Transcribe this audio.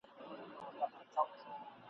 که خدای فارغ کړاست له مُلایانو !.